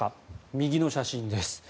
右の写真です。